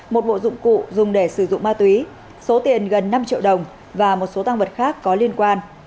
một bộ dụng cụ dùng để sử dụng ma túy số tiền gần năm triệu đồng và một số tăng vật khác có liên quan